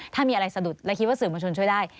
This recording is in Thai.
ถ้ามีอะไรสะดุดแล้วคิดว่าสื่อมวลชนช่วยได้